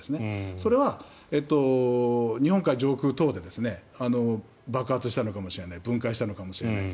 それは日本海上空等で爆発したのかもしれない分解したのかもしれない。